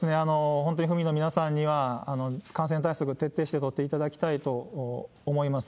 本当に府民の皆さんには感染対策、しっかり徹底して取っていただきたいと思います。